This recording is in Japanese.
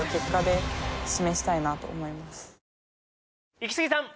イキスギさん